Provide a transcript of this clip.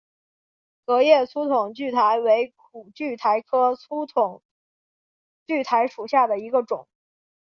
革叶粗筒苣苔为苦苣苔科粗筒苣苔属下的一个种。